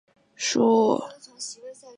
核心内涵应用技术